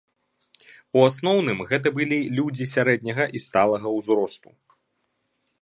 У асноўным гэта былі людзі сярэдняга і сталага ўзросту.